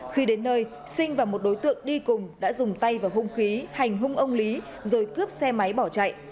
khi đến nơi sinh và một đối tượng đi cùng đã dùng tay vào hung khí hành hung ông lý rồi cướp xe máy bỏ chạy